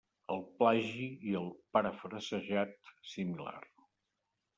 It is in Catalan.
El plagi i el parafrasejat similar.